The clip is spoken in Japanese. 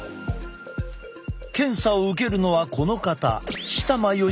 検査を受けるのはこの方。